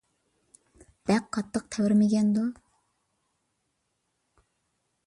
بەك قاتتىق تەۋرىمىگەندۇ؟